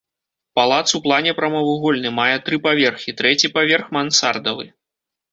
Палац у плане прамавугольны, мае тры паверхі, трэці паверх мансардавы.